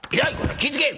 気ぃ付け！」。